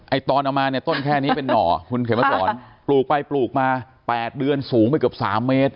ตอนเอามาเนี่ยต้นแค่นี้เป็นหน่อคุณเขียนมาสอนปลูกไปปลูกมา๘เดือนสูงไปเกือบสามเมตร